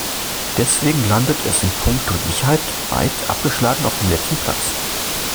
Deswegen landet es in puncto Sicherheit weit abgeschlagen auf dem letzten Platz.